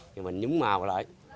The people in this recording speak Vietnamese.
rồi mình nhúng màu lại